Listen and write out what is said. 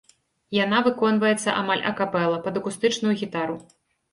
Яна выконваецца амаль акапэла, пад акустычную гітару.